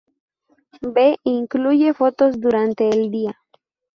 B incluye fotos durante el día.